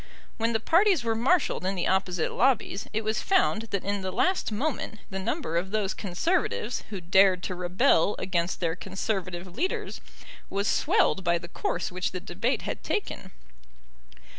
When the parties were marshalled in the opposite lobbies it was found that in the last moment the number of those Conservatives who dared to rebel against their Conservative leaders was swelled by the course which the debate had taken.